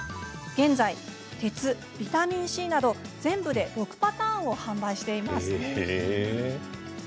現在、鉄、ビタミンＣなど全部で６パターンを販売しています。